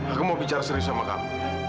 aku mau bicara serius sama kamu